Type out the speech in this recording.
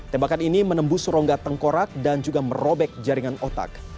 tembakan ini menembus rongga tengkorak dan juga merobek jaringan otak